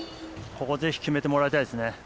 ぜひ決めてもらいたいですね。